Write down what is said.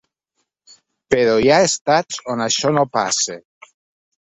Però hi ha estats on això no passa.